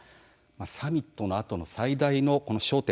サミットのあとの最大の焦点